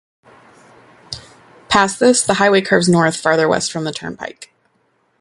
Past this, the highway curves north farther west from the turnpike.